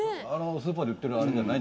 スーパーで売ってるあれじゃない。